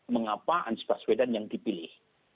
mengapa anies baswedan yang dipilih